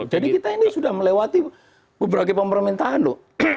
jadi kita ini sudah melewati beberapa pemerintahan lho